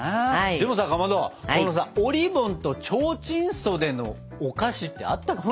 でもさかまどこのさおりぼんとちょうちん袖のお菓子ってあったっけ？